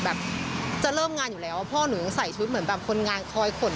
แบบจะเริ่มงานอยู่แล้วพ่อหนูใส่ชุดเหมือนแบบคนงานคอยขน